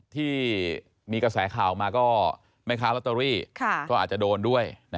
ที่มีกระแสข่าวมาก็แม่ค้าลอตเตอรี่ก็อาจจะโดนด้วย